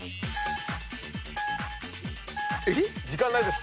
時間ないです。